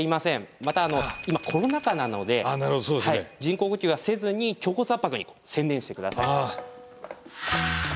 また今コロナ禍なので人工呼吸はせずに胸骨圧迫に専念して下さい。